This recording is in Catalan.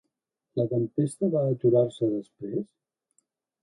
La tempesta va aturar-se després?